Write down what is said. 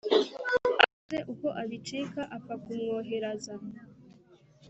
Abuze uko abicika apfa kumwoheraza